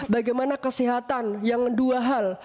bagaimana kesehatan yang dua hal